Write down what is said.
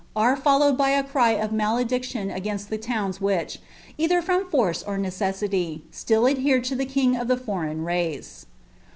are followed by a cry of malediction against Ite towns which, either from force or necessity, still adhered to the king d the foreign race.